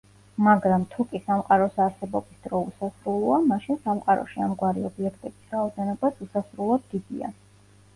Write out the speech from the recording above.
მაგრამ თუკი სამყაროს არსებობის დრო უსასრულოა, მაშინ სამყაროში ამგვარი ობიექტების რაოდენობაც უსასრულოდ დიდია.